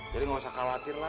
jadi gak usah khawatir lah